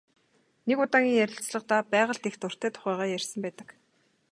Нэг удаагийн ярилцлагадаа байгальд их дуртай тухайгаа ярьсан байдаг.